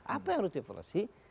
apa yang harus direvaluasi